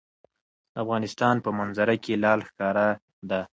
د افغانستان په منظره کې لعل ښکاره ده.